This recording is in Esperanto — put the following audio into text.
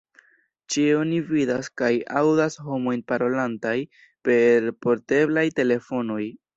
Ĉie oni vidas kaj aŭdas homojn parolantaj per porteblaj telefonoj.